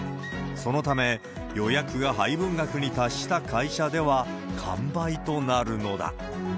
そのため、予約が配分額に達した会社では、完売となるのだ。